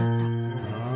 ああ。